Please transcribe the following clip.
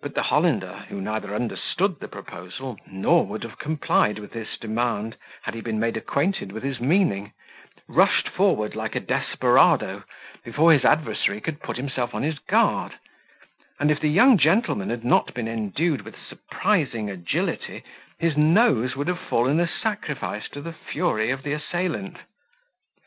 But the Hollander, who neither understood the proposal, nor would have complied with this demand, had he been made acquainted with his meaning, rushed forward like a desperado, before his adversary could put himself on his guard; and if the young gentleman had not been endued with surprising agility, his nose would have fallen a sacrifice to the fury of the assailant.